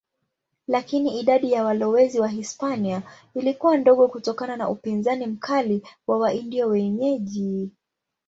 Lakini idadi ya walowezi Wahispania ilikuwa ndogo kutokana na upinzani mkali wa Waindio wenyeji.